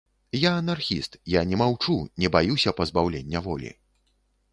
Я анархіст, я не маўчу, не баюся пазбаўлення волі.